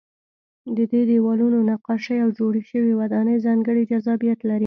د دې دیوالونو نقاشۍ او جوړې شوې ودانۍ ځانګړی جذابیت لري.